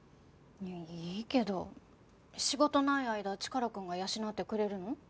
いやいいけど仕事ない間チカラくんが養ってくれるの？